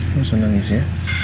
jangan nangis ya